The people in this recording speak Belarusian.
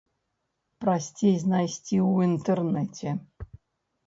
Прасцей знайсці ў інтэрнеце.